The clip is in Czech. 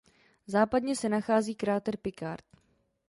Západně se nachází kráter Picard.